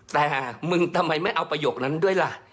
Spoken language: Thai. แต่มึงทำไมไม่เอาประโยคนั้นด้วยล่ะ